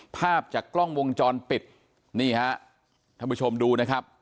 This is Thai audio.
ภาพจากกล้องวงจรปิดนี่ฮะท่านผู้ชมดูนะครับ